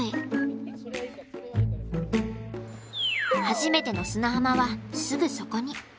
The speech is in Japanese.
初めての砂浜はすぐそこに。